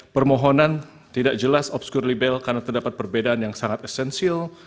permohonan tidak jelas obskurly bail karena terdapat perbedaan yang sangat esensil